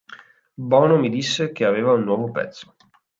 Bono mi disse che aveva un nuovo pezzo.